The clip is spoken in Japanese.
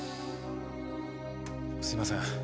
すいません。